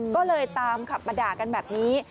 ก็เลยตามขับมาด่ากันแบบนี้